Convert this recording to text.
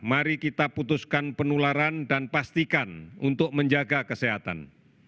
mari kita putuskan penularan dan pastikan untuk menjaga kesehatan